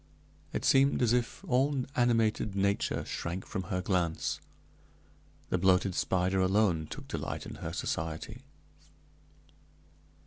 It seemed as if all animated nature shrank from her glance. The bloated spider alone took delight in her society.